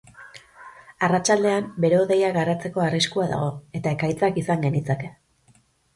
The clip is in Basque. Arratsaldean bero-hodeiak garatzeko arriskua dago, eta ekaitzak izan genitzake.